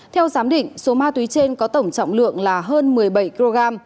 theo giám định số ma túy trên có tổng trọng lượng là hơn một mươi bảy kg